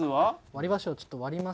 割り箸を割りまして。